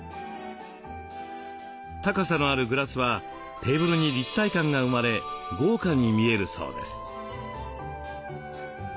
高さのあるグラスはテーブルに立体感が生まれ豪華に見えるそうです。